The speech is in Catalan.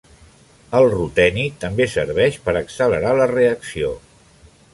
El ruteni també serveix per accelerar la reacció.